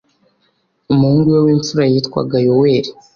umuhungu we w'imfura yitwaga yoweli